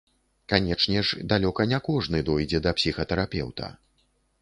Канечне ж, далёка не кожны дойдзе да псіхатэрапеўта.